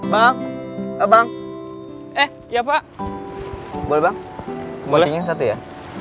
bang bang eh ya pak boleh banget boleh satu ya